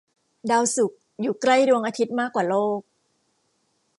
ดาวศุกร์ อยู่ใกล้ดวงอาทิตย์มากกว่าโลก